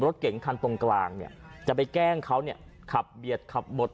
รถเก๋งคันตรงกลางเนี่ยจะไปแกล้งเขาเนี่ยขับเบียดขับบด